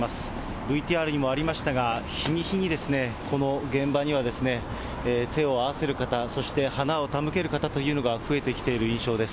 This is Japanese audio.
ＶＴＲにもありましたが、日に日にこの現場には手を合わせる方、そして花を手向ける方というのが増えてきている印象です。